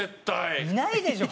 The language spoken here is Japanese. いないでしょ